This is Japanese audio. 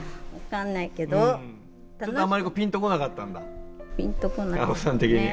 ちょっとあんまりピンとこなかったんだかな子さん的に。